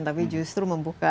tapi justru membuka